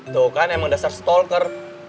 tuh kan emang dasar stolker